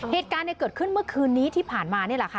เหตุการณ์เกิดขึ้นเมื่อคืนนี้ที่ผ่านมา